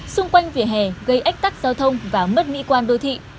xung quanh vỉa hè gây ách tắc giao thông và mất mỹ quan đô thị